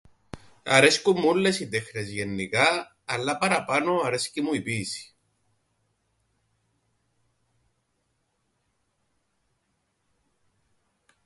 Αρέσκουν μου ούλλες οι τέχνες γεννικ΄α, αλλά παραπάνω αρέσκει μου η ποίηση.